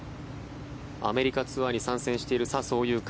アメリカツアーに参戦している笹生優花。